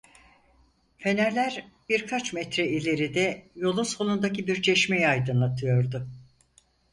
Fenerler birkaç metre ileride, yolun solundaki bir çeşmeyi aydınlatıyordu.